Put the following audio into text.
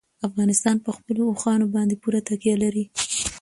افغانستان په خپلو اوښانو باندې پوره تکیه لري.